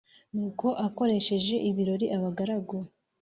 Nuko akoreshereza ibirori abagaragu